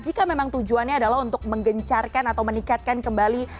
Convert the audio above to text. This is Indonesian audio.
jika memang tujuannya adalah untuk menggencarkan atau meningkatkan kembali